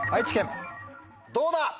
どうだ？